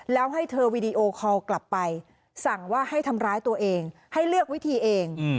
แล้วให้เธอวีดีโอคอลกลับไปสั่งว่าให้ทำร้ายตัวเองให้เลือกวิธีเอง